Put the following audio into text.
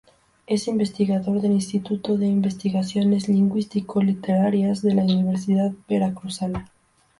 Es investigador del Instituto de Investigaciones Lingüístico-Literarias de la Universidad Veracruzana.